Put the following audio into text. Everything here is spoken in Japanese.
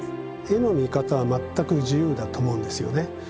絵の見方は全く自由だと思うんですよね。